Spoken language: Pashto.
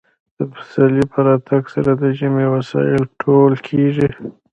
د پسرلي په راتګ سره د ژمي وسایل ټول کیږي